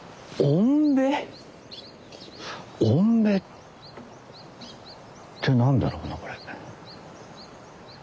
「おんべ」って何だろうなこれ。